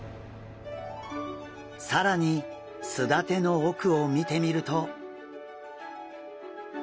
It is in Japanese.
さらにすだての奥を見てみると。